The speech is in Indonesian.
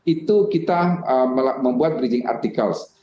itu kita membuat bridging artikel